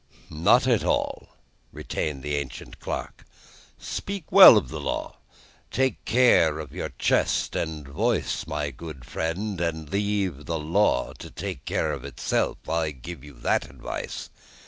"Not at all," retained the ancient clerk. "Speak well of the law. Take care of your chest and voice, my good friend, and leave the law to take care of itself. I give you that advice."